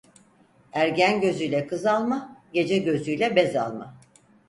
Ergen gözüyle kız alma, gece gözüyle bez alma.